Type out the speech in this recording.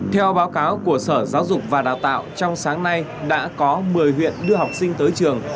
theo báo cáo của sở giáo dục và đào tạo trong sáng nay đã có một mươi huyện đưa học sinh tới trường